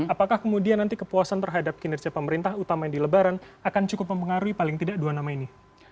apakah kemudian nanti kepuasan terhadap kinerja pemerintah utama yang di lebaran akan cukup mempengaruhi paling tidak dua nama ini